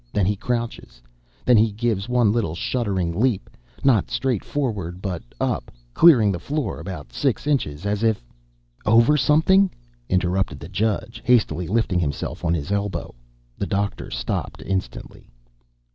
Then he crouches. Then he gives one little shuddering leap not straight forward, but up, clearing the floor about six inches, as if " "Over something," interrupted the Judge, hastily, lifting himself on his elbow. The Doctor stopped instantly.